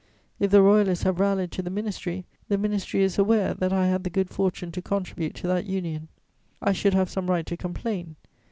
If the Royalists have rallied to the Ministry, the Ministry is aware that I had the good fortune to contribute to that union. I should have some right to complain.